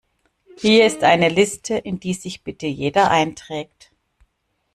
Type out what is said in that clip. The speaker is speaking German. Hier ist eine Liste, in die sich bitte jeder einträgt.